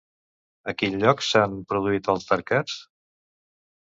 A quin lloc s'han produït altercats?